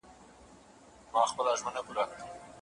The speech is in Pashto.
د ساینس څېړني په ګډه سره سرته رسېږي.